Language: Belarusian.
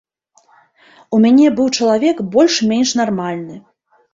У мяне быў чалавек больш-менш нармальны.